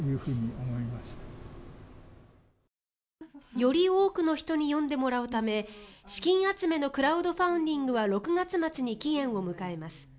より多くの人に読んでもらうため資金集めのクラウドファンディングは６月末に期限を迎えます。